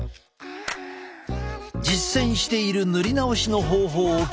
実践している塗り直しの方法を聞いた。